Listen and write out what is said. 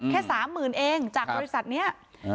แค่๓๐๐๐เองจากบริษัทนี้